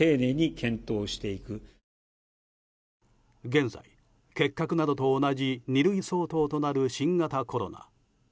現在、結核などと同じ二類相当となる新型コロナ。